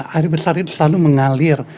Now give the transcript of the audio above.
air besar itu selalu mengalir